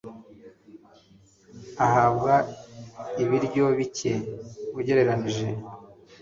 ahabwa ibiryo bike ugereranyije